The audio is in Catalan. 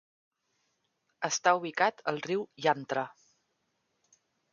Està ubicat al riu Yantra.